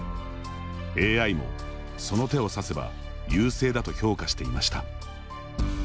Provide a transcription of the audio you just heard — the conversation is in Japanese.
ＡＩもその手を指せば優勢だと評価していました。